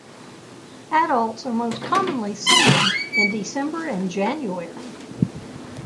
Adults are most commonly seen in December and January.